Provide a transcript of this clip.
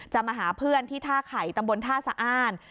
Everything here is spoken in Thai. มาหาเพื่อนที่ท่าไข่ตำบลท่าสะอ้าน